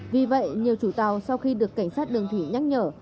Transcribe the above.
vì vậy nhiều chủ tàu sau khi được cảnh sát đường thủy nhắc nhở